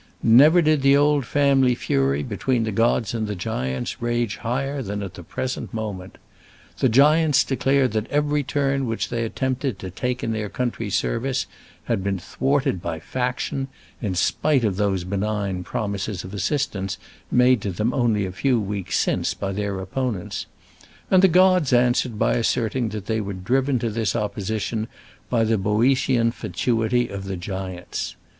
Never did the old family fury between the gods and giants rage higher than at the present moment. The giants declared that every turn which they attempted to take in their country's service had been thwarted by faction, in spite of those benign promises of assistance made to them only a few weeks since by their opponents; and the gods answered by asserting that they were driven to this opposition by the Boeotian fatuity of the giants.